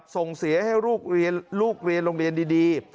ส่งเสียให้ลูกเรียนโรงเรียนดี